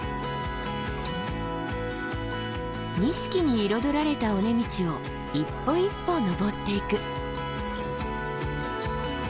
錦に彩られた尾根道を一歩一歩登っていく。